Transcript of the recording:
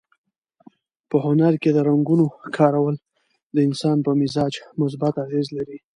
په هنر کې د رنګونو کارول د انسان په مزاج مثبت اغېز لري.